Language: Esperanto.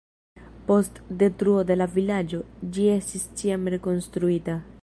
Post detruo de la vilaĝo, ĝi estis ĉiam rekonstruita.